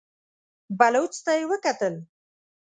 بلوڅ ته يې وکتل.